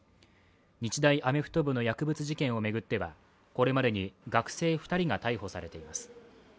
日大アメフト部の薬物事件を巡ってはこれまでに学生２人が逮捕されています。